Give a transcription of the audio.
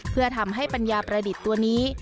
เพื่อทำให้ปัญญาประดิษฐ์ตัวนี้